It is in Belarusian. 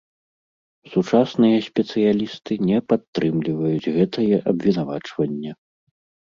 Сучасныя спецыялісты не падтрымліваюць гэтае абвінавачванне.